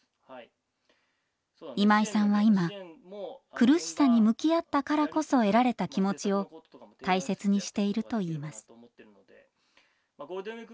今井さんは今苦しさに向き合ったからこそ得られた気持ちを大切にしているといいます。